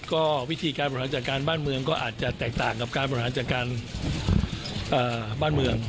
ก็วิธีการบริหารจัดการบ้านเมืองก็อาจจะแตกต่างกับการบริหารจัดการบ้านเมือง